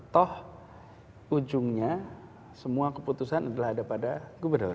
toh ujungnya semua keputusan adalah daripada gubernur